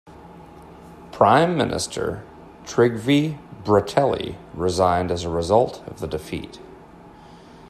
Prime Minister Trygve Bratteli resigned as a result of the defeat.